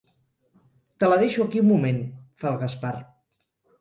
Te la deixo aquí un moment —fa el Gaspar.